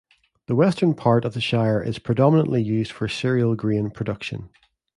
The western part of the shire is predominantly used for cereal grain production.